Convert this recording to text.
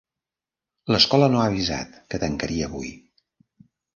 L'escola no ha avisat que tancaria avui.